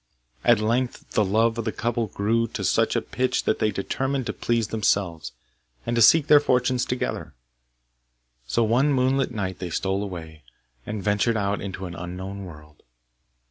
At length the love of the couple grew to such a pitch that they determined to please themselves, and to seek their fortunes together. So one moonlight night they stole away, and ventured out into an unknown world.